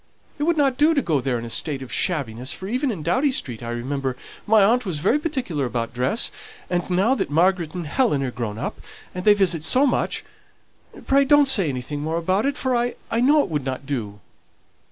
It would not do to go there in a state of shabbiness, for even in Doughty Street, I remember, my aunt was very particular about dress; and now that Margaret and Helen are grown up, and they visit so much, pray don't say anything more about it, for I know it would not do."